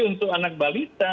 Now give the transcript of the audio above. untuk anak balita